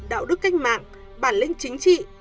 đạo đức cách mạng bản linh chính trị